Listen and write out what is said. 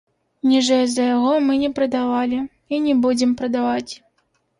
Ніжэй за яго мы не прадавалі і не будзем прадаваць.